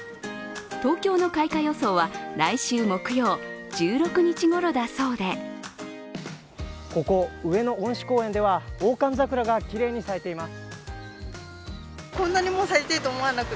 東京の開花予想は来週木曜１６日ごろだそうでここ上野恩賜公園では、大寒桜がきれいに咲いています。